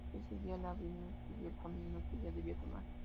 Ese día, Lavigne descubrió el camino que ella debía tomar.